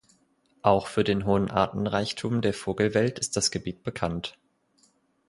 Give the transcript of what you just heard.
Auch für den hohen Artenreichtum der Vogelwelt ist das Gebiet bekannt.